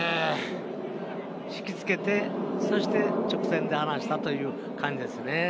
引き付けて、そして直線で離したという感じですね。